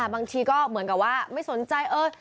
บางทีก็เหมือนกับว่าไม่สนใจ